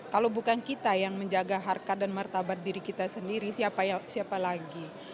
kalau bukan kita yang menjaga harkat dan martabat diri kita sendiri siapa lagi